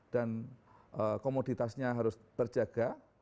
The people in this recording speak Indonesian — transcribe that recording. dan komoditasnya harus berjaga